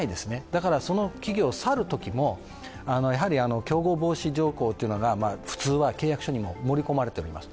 だから、その企業を去るときも競合防止条項というのが普通は契約書にも盛り込まれています。